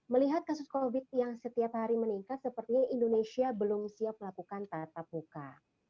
melihat kasus covid sembilan belas yang setiap hari meningkat sepertinya indonesia belum siap melakukan tetap buka